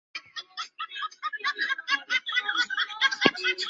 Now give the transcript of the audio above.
德川治济在宝历元年十一月初六。